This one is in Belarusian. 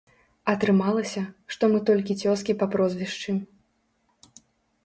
Атрымалася, што мы толькі цёзкі па прозвішчы.